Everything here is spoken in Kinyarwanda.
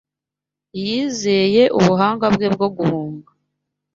Yizeye ubuhanga bwe bwo guhunga